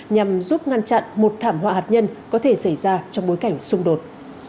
nhằm giúp ngăn chặn một thảm họa hạt nhân có thể xảy ra trong bối cảnh xung đột